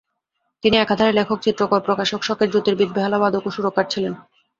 তিনি একাধারে লেখক চিত্রকর, প্রকাশক, শখের জ্যোতির্বিদ, বেহালাবাদক ও সুরকার ছিলেন।